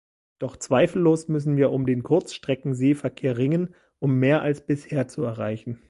Doch zweifellos müssen wir um den Kurzstreckenseeverkehr ringen, um mehr als bisher zu erreichen.